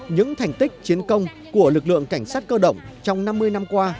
những thành tích chiến công của lực lượng cảnh sát cơ động trong năm mươi năm qua